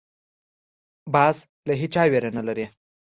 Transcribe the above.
باز له هېچا ویره نه لري